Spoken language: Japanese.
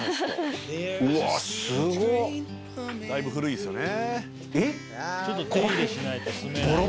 だいぶ古いですよね。